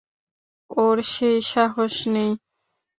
ওর সেই সাহস নেই।